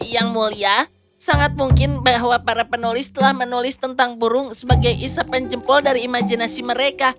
yang mulia sangat mungkin bahwa para penulis telah menulis tentang burung sebagai isapan jempol dari imajinasi mereka